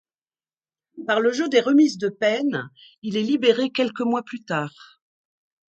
Par le jeu des remises de peine, il est libéré quelques mois plus tard.